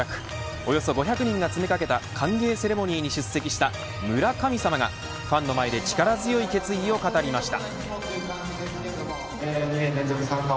およそ５００人が詰めかけた歓迎セレモニーに出席した村神様がファンの前で力強い決意を語りました。